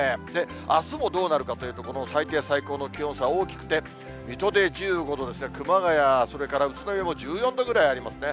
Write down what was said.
あすもどうなるかというと、最低、最高の気温差大きくて、水戸で１５度ですね、熊谷、それから宇都宮も１４度ぐらいありますね。